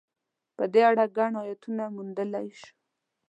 په دې اړه ګڼ ایتونه موندلای شو.